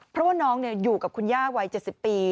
เพราะว่าน้องอยู่กับคุณย่าวัย๗๐ปี